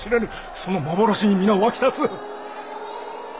その幻に皆沸き立つ。